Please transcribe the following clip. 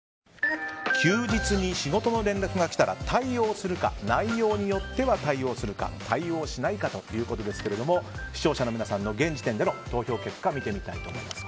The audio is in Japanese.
休日の仕事の連絡が来たら対応するか内容によっては対応するか対応しないかということですが視聴者の皆さんの現時点での投票結果を見てみたいと思います。